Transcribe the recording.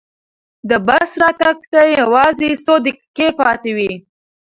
د بس راتګ ته یوازې څو دقیقې پاتې وې.